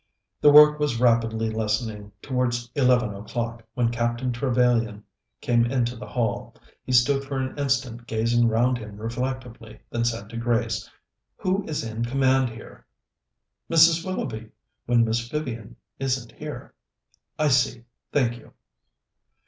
The work was rapidly lessening towards eleven o'clock, when Captain Trevellyan came into the hall. He stood for an instant gazing round him reflectively, then said to Grace: "Who is in command here?" "Mrs. Willoughby, when Miss Vivian isn't here." "I see, thank you."